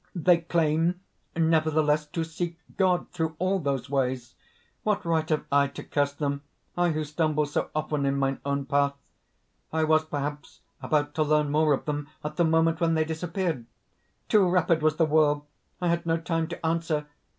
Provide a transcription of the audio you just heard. "They claim, nevertheless, to seek God through all those ways! What right have I to curse them I, who stumble so often in mine own path? I was perhaps about to learn more of them at the moment when they disappeared. Too rapid was the whirl; I had no time to answer.